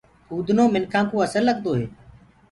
ڦُودنو منکآ ڪوُ اسل لگدو هي۔